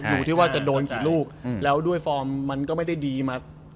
ดูนกี่ลูกแล้วด้วยฟอร์มมันก็ไม่ได้ดีมาต้น